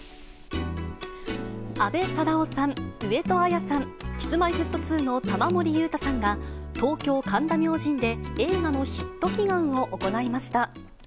阿部サダヲさん、上戸彩さん、Ｋｉｓ−Ｍｙ−Ｆｔ２の玉森裕太さんが、東京・神田明神で、映画のヒット祈願を行いました。